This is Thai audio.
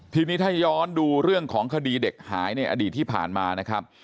ทีนี้ถ้าย้อนดูเรื่องของคดีเด็กหายในอดีตที่ผ่านมานะครับ